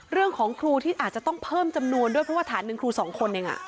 ครูที่อาจจะต้องเพิ่มจำนวนด้วยเพราะว่าฐานหนึ่งครูสองคนเอง